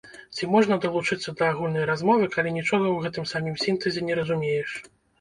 Ці можна далучыцца да агульнай размовы, калі нічога ў гэтым самім сінтэзе не разумееш?